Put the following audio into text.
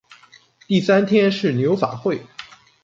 第三天是牛法会。